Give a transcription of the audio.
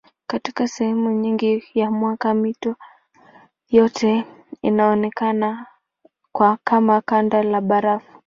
Katika sehemu nyingine ya mwaka mito yote inaonekana kama kanda la barafu.